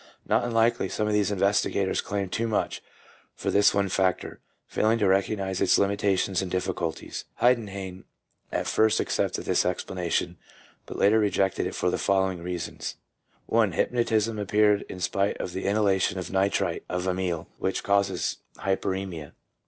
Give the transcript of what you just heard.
Not unlikely some of these investigators claim too much for this one factor, failing to recognize its limitations and difficulties. Heidenhain at first accepted this explanation, but later rejected it for the following reasons 3 :— I. Hypnotism appeared in spite of the inhalation of nitrite of amyl, which causes hyperemia.